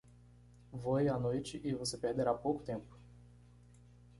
Voe à noite e você perderá pouco tempo.